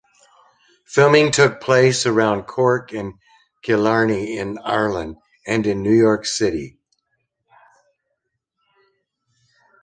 Filming took place around Cork and Killarney in Ireland, and in New York City.